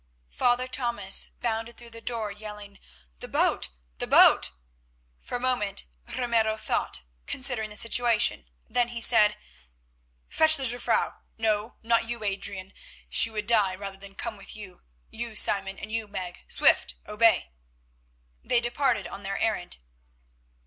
Father Thomas bounded through the door yelling, "The boat, the boat!" For a moment Ramiro thought, considering the situation, then he said: "Fetch the Jufvrouw. No, not you, Adrian; she would die rather than come with you. You, Simon, and you, Meg. Swift, obey." They departed on their errand.